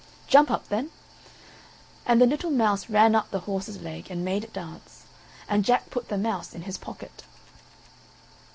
"Jump up, then." And the little mouse ran up the horse's leg, and made it dance; and Jack put the mouse in his pocket.